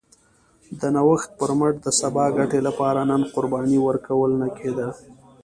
د نوښت پر مټ د سبا ګټې لپاره نن قرباني ورکول نه کېده